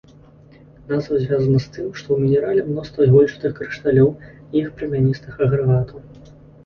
Назва звязана з тым, што ў мінерале мноства ігольчастых крышталёў і іх прамяністых агрэгатаў.